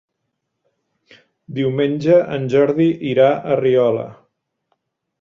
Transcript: Diumenge en Jordi irà a Riola.